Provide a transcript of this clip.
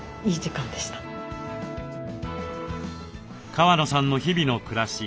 川野さんの日々の暮らし